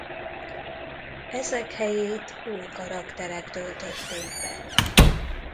Ezek helyét új karakterek töltötték be.